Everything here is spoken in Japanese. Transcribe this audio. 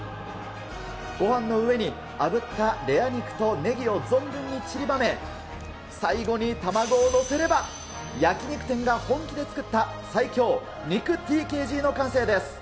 ごはんの上にあぶったレア肉とねぎを存分にちりばめ、最後に卵を載せれば、焼き肉店が本気で作った、最強肉ＴＫＧの完成です。